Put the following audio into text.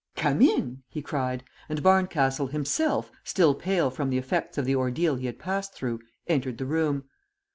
"Come in," he cried, and Barncastle himself, still pale from the effects of the ordeal he had passed through, entered the room.